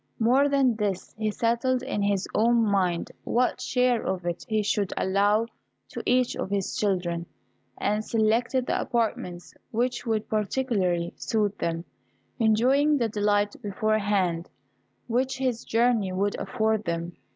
More than this, he settled in his own mind what share of it he should allow to each of his children, and selected the apartments which would particularly suit them, enjoying the delight beforehand which his journey would afford them.